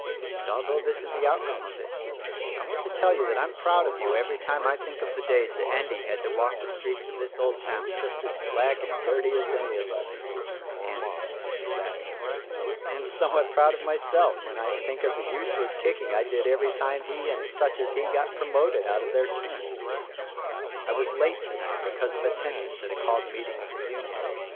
And, although this is the outcome of it, I want to tell you that I'm proud of you every time I think of the days that Endy had to walk the streets of this old town just as black and dirtv as any o us And" laughingly "I am somewhat proud of myself when I think of the useless kicking I did everv time he and such as he got promoted out of their turn 1 was late tonight because of attendance at a called meeting of the Union.